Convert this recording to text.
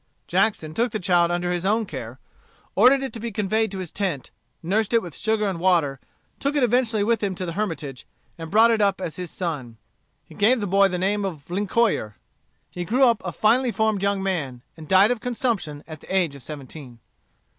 Jackson took the child under his own care, ordered it to be conveyed to his tent, nursed it with sugar and water, took it eventually with him to the Hermitage, and brought it up as his son. He gave the boy the name of Lincoyer. He grew up a finely formed young man, and died of consumption at the age of seventeen.